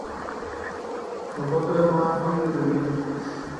vosotras no habíais bebido